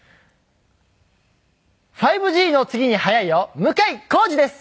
５Ｇの次に速いよ向井康二です！